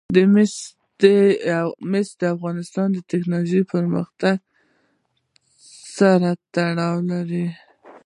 مس د افغانستان د تکنالوژۍ پرمختګ سره تړاو لري.